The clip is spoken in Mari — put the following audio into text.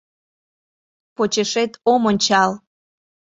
Почешет ом ончал: